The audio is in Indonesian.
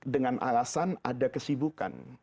dengan alasan ada kesibukan